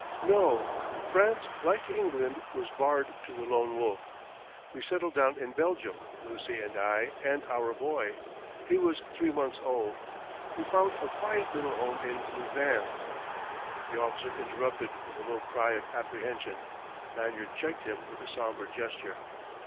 "No: France, like England, was barred to the Lone Wolf.... We settled down in Belgium, Lucy and I and our boy. He was three months old. We found a quiet little home in Louvain " The officer interrupted with a low cry of apprehension, Lanyard checked him with a sombre gesture.